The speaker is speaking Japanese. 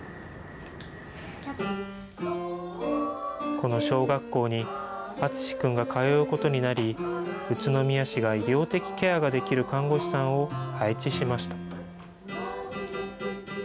この小学校にあつし君が通うことになり、宇都宮市が医療的ケアができる看護師さんを配置しました。